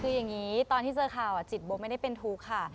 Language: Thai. คืออย่างนี้ตอนที่เจอข่าวจิตโบไม่ได้เป็นทุกข์ค่ะ